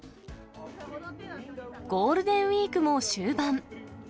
ゴールデンウィークも終盤。